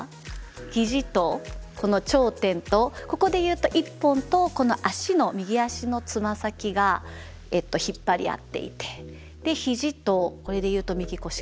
肘とこの頂点とここで言うと１本とこの足の右足のつま先が引っ張り合っていて肘とこれで言うと右腰か。